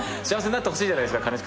幸せになってほしいじゃないっすか。